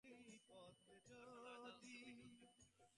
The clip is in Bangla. দর্শনলাভে তাহার যথেষ্ট প্রীতি ও ভক্তির উদয় হইল।